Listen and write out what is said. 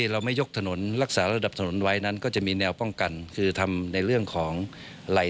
นะครับประมาณ๕๐เซนต์